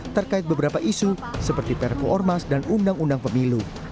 terkait beberapa isu seperti perpu ormas dan undang undang pemilu